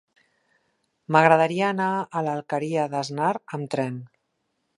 M'agradaria anar a l'Alqueria d'Asnar amb tren.